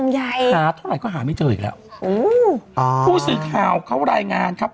หาเท่าไหร่ก็หาไม่เจออีกแล้วผู้สื่อข่าวเขารายงานครับ